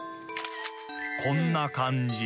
［こんな感じ］